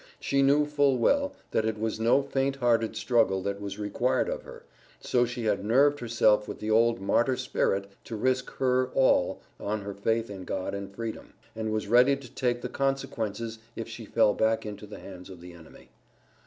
She knew full well, that it was no faint hearted struggle that was required of her, so she had nerved herself with the old martyr spirit to risk her all on her faith in God and Freedom, and was ready to take the consequences if she fell back into the hands of the enemy.